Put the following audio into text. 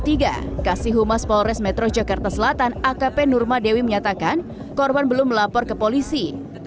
selasa tiga puluh satu januari dua ribu dua puluh tiga kasihumas polres metro jakarta selatan akp nurmadewi menyatakan korban belum melapor ke polisi